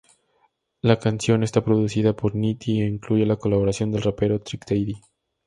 La canción está producida por Nitti e incluye la colaboración del rapero Trick Daddy.